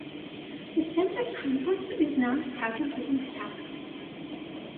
The Center Campus is now starting to construct.